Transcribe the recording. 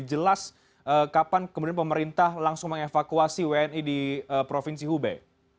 jadi jelas kapan kemudian pemerintah langsung mengevakuasi wni di provinsi hubei